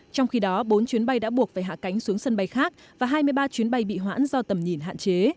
trong khi đó bốn chuyến bay đã buộc phải hạ cánh xuống sân bay khác và hai mươi ba chuyến bay bị hoãn do tầm nhìn hạn chế